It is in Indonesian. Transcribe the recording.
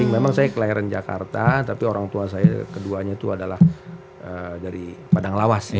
memang saya kelahiran jakarta tapi orang tua saya keduanya itu adalah dari padang lawas